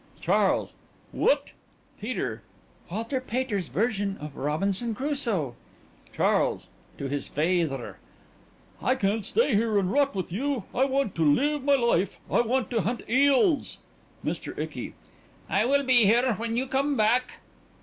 CHARLES: What? PETER: Walter Pater's version of "Robinson Crusoe." CHARLES: (To his feyther) I can't stay here and rot with you. I want to live my life. I want to hunt eels. MR. ICKY: I will be here... when you come back....